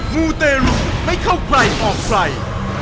มู้เตรุไม่เข้าไผลออกไผล